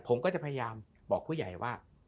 ผมก็จะพยายามบอกผู้ใหญ่ว่า